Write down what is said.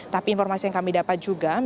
tapi informasi yang kami dapat juga